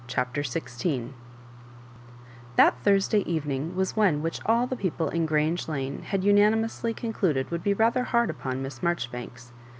CHAPTER XTL That Thursday evening was one which all the people in Grange Lane had unanimously conclud ed would be rather hard upon Miss Marjori banks.